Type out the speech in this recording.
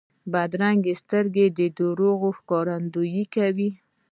بدرنګه سترګې د دروغو ښکارندویي کوي